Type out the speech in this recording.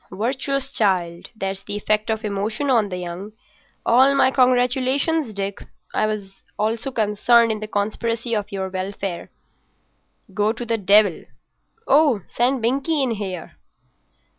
"Virtuous child. That's the effect of emotion on the young. All my congratulations, Dick. I also was concerned in the conspiracy for your welfare." "Go to the devil—oh, send Binkie in here."